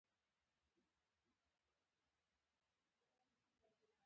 د بادغیس باغونه پسته لري.